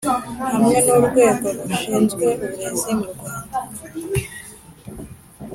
Hamwe n’Urwego rushinzwe uburezi mu Rwanda